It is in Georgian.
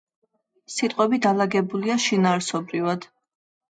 სიტყვები დალაგებულია შინაარსობრივად.